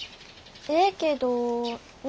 ええけど何やの？